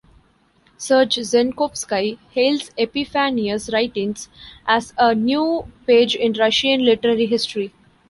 Serge Zenkovsky hails Epiphanius' writings as "a new page in Russian literary history".